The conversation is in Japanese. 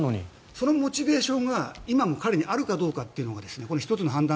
そのモチベーションが今の彼にあるのかどうかが１つの判断